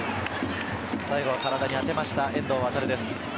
最後は体に当てました遠藤航です。